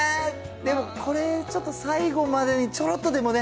でもこれ、ちょっと最後までにちょろっとでもね。